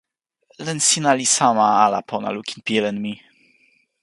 len sina li sama ala pona lukin pi len mi.